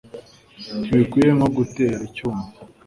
Ntibikwiye nko gutera icyuma: